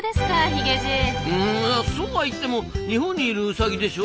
うんそうは言っても日本にいるウサギでしょ？